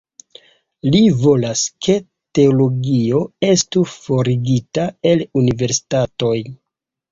Li volas, ke teologio estu forigita el universitatoj.